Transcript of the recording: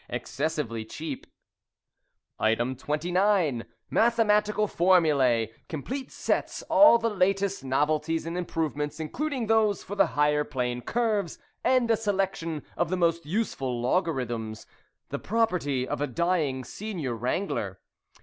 Excessively cheap. 29. Mathematical formulæ (complete sets; all the latest novelties and improvements, including those for the higher plane curves, and a selection of the most useful logarithms), the property of a dying Senior Wrangler.